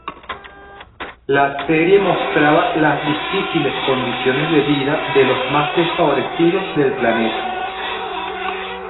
La serie mostraba las difíciles condiciones de vida de los más desfavorecidos del planeta.